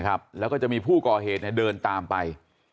ครับแล้วก็จะมีผู้ก่อเหตุเนี่ยเดินตามไป